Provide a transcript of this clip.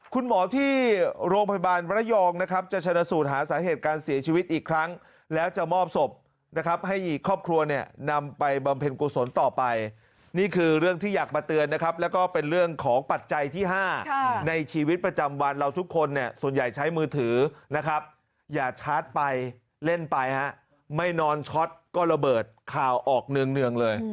คุณหมอที่โรงพยาบาลระยองนะครับจะชนะสูตรหาสาเหตุการเสียชีวิตอีกครั้งแล้วจะมอบศพนะครับให้อีกครอบครัวเนี่ยนำไปบำเพ็ญกุศลต่อไปนี่คือเรื่องที่อยากมาเตือนนะครับแล้วก็เป็นเรื่องของปัจจัยที่๕ในชีวิตประจำวันเราทุกคนเนี่ยส่วนใหญ่ใช้มือถือนะครับอย่าชาร์จไปเล่นไปฮะไม่นอนช็อตก็ระเบิดข่าวออกเนื่องเลย